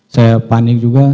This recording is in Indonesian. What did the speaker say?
saya panik juga